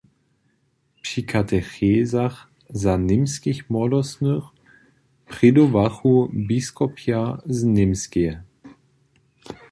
Při katechezach za němskich młodostnych prědowachu biskopja z Němskeje.